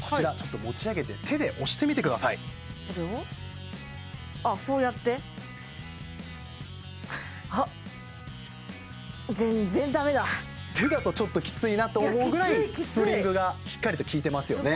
こちらちょっと持ち上げて手で押してみてくださいああこうやって全然だめだ手だとちょっときついなと思うぐらいスプリングがしっかりときいてますよね